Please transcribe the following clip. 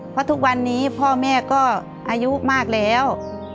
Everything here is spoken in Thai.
เพราะทุกวันนี้พ่อแม่ก็อายุมากแล้ว